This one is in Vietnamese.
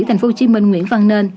thành phố hồ chí minh nguyễn văn nên